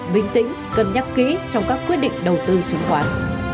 bình tĩnh cân nhắc kỹ trong các quyết định đầu tư chứng khoán